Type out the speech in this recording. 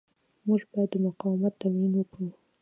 موږ باید د مقاومت تمرین وکړو.